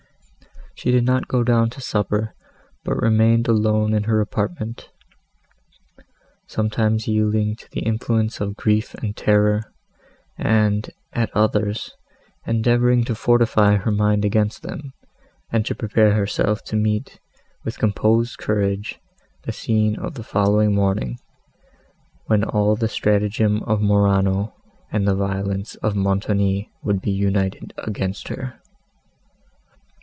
She did not go down to supper, but remained alone in her apartment, sometimes yielding to the influence of grief and terror, and, at others, endeavouring to fortify her mind against them, and to prepare herself to meet, with composed courage, the scene of the following morning, when all the stratagem of Morano and the violence of Montoni would be united against her.